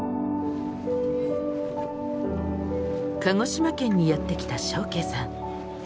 鹿児島県にやって来た祥敬さん。